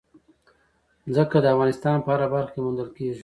ځمکه د افغانستان په هره برخه کې موندل کېږي.